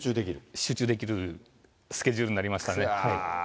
集中できるスケジュールになりましたね。